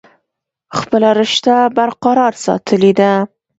خپله رشته برقرار ساتلي ده ۔